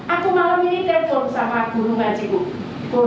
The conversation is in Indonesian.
aku malam ini tidur sama guru ngaji ngu